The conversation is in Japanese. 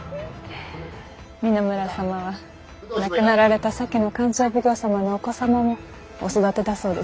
三野村様は亡くなられた先の勘定奉行様のお子様もお育てだそうですよ。